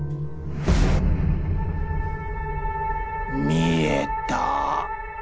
見えた！